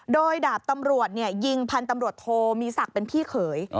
โดยดาบตำรวจยิงพันธุ์ตำรวจโทมีศักดิ์เป็นพี่เขย